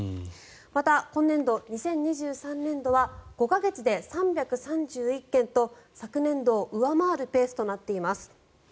また、今年度２０２３年度は５か月で３３１件と昨年度を上回るペースとなっています。